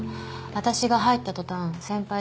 私が入った途端先輩